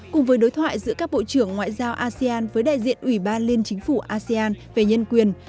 cùng với đối thoại giữa các bộ trưởng ngoại giao asean với đại diện ủy ban liên chính phủ asean về nhân quyền